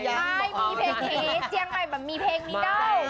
ใช่มีเพลงผีเจียงใหม่แบบมีเพลงนี้ได้